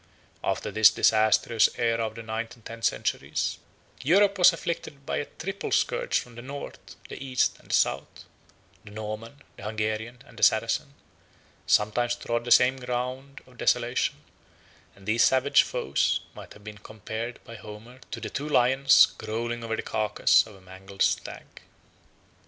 At this disastrous aera of the ninth and tenth centuries, Europe was afflicted by a triple scourge from the North, the East, and the South: the Norman, the Hungarian, and the Saracen, sometimes trod the same ground of desolation; and these savage foes might have been compared by Homer to the two lions growling over the carcass of a mangled stag.